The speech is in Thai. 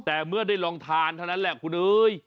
แต่เมื่อได้ลองทานเท่านั้นแหละคุณเอ้ย